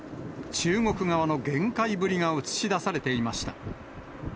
中国側の厳戒ぶりが写し出されていました。